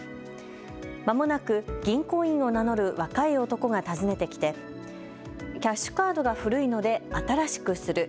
まもなく銀行員を名乗る若い男が訪ねてきて、キャッシュカードが古いので新しくする。